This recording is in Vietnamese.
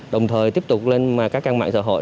đồng thời tiếp tục lên các trang mạng xã hội